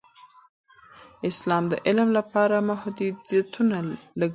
اسلام د علم لپاره محدودیت نه لګوي.